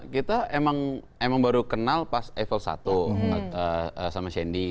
kita emang baru kenal pas level satu sama shandy